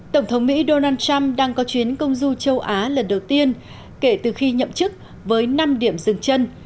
tổng thống mỹ donald trump đang có chuyến công du châu á lần đầu tiên kể từ khi nhậm chức với năm điểm dừng chân